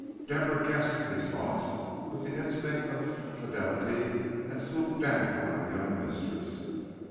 Deborah guessed these thoughts with the instinct of fidelity, and swooped down on her young mistress.